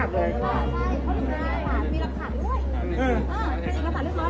ดีไอแล้วเข้าไปด้วย